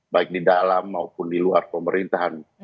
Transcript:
baik di dalam maupun di luar pemerintahan